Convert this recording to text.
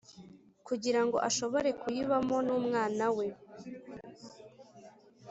kugira ngo ashobore kuyibamo n’umwana we.